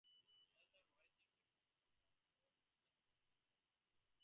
As of this writing, DontBuyMusic dot com forwards to the Macteens website.